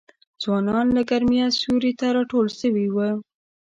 ځوانان له ګرمیه سیوري ته راټول سوي وه